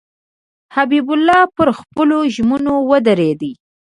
حبیب الله پر خپلو ژمنو ودرېدی.